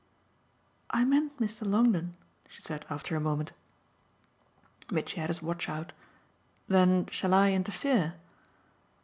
"I meant Mr. Longdon," she said after a moment. Mitchy had his watch out. "Then shall I interfere?"